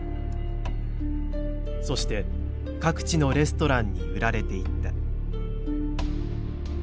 そして各地のレストランに売られていった。